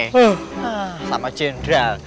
hah sama jendral